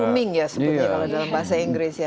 grooming ya sebutnya dalam bahasa inggris